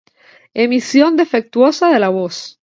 Emisión defectuosa de la voz.